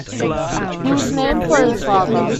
He was named for his father.